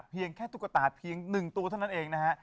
เพียงแค่ตุ๊กตาเพียง๑ตัวเท่านั้นเองนะฮะ